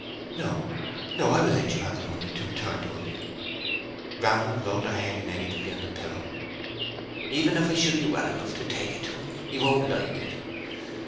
"No, no. I will let you have the money to return to him." Grammer rolled her head negatively upon the pillow. "Even if I should be well enough to take it to him, he won't like it.